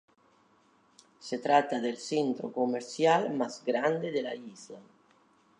Se trata del centro comercial más grande de la isla.